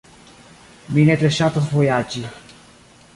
Mi ne tre ŝatas vojaĝi.